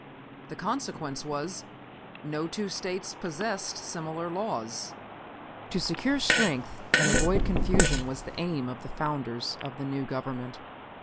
The consequence was, no two States possessed similar laws. "To secure strength and avoid confusion was the aim of the founders of the new Government.